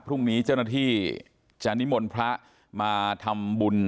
พรุ่งนี้เจ้าหน้าที่จะนิมทรโมรพระมาทำบุญทร์์